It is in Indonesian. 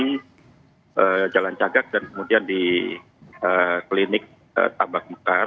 yang jalan cagak dan kemudian di klinik tabak mekar